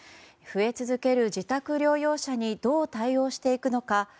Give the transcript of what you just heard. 増え続ける自宅療養者にどう対応していくのか。